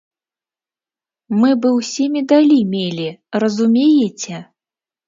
Мы бы ўсе медалі мелі, разумееце?